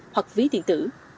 hoặc ví điện tử